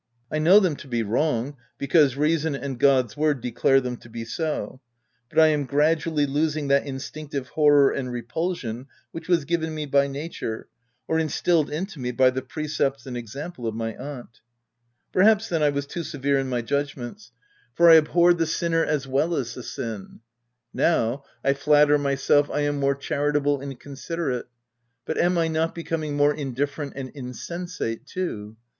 I know them to be wrong, because reason and God's word declare them to be so ; but I am gradually losing that instinctive horror and repulsion which was given me by nature, or instilled into me by the pre cepts and example of my aunt. Perhaps, then, I was too severe in my judgments, for I ab OF WILDFELL HALL. 201 horred the sinner as well as the sin ; now, I flatter myself I am more charitable and con siderate ; but am I not becoming more indiffe rent and insensate too